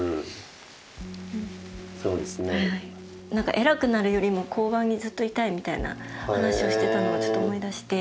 偉くなるよりも交番にずっといたいみたいな話をしてたのを思い出して。